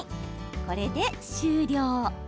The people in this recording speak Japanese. これで終了。